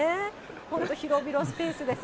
本当、広々スペースです。